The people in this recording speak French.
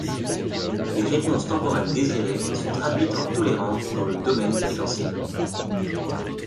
Les réponses temporelles désirées sont traduites en tolérances dans le domaine fréquentiel.